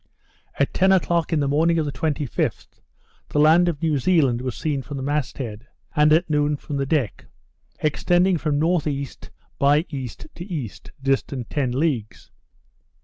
At ten o'clock in the morning of the 25th, the land of New Zealand was seen from the mast head; and at noon, from the deck; extending from N.E. by E. to E., distant ten leagues.